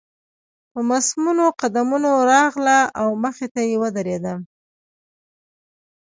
په مصممو قدمونو راغله او مخې ته يې ودرېده.